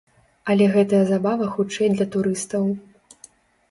Але гэтая забава хутчэй для турыстаў.